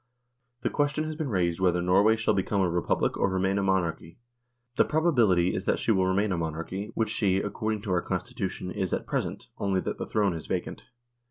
The question has been raised whether Norway shall become a Republic or remain a Monarchy. The probability is that she will remain a Monarchy, which she, according to our Constitution, is at present, only that the throne is vacant.